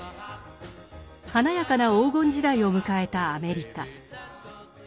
華やかな黄金時代を迎えたアメリカ。